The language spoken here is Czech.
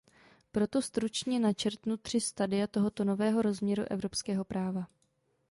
Proto stručně načrtnu tři stadia tohoto nového rozměru evropského práva.